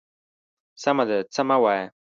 _سمه ده، څه مه وايه.